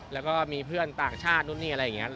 แล้วก็มีเพื่อนต่างชาตินู่นนี่อะไรอย่างนี้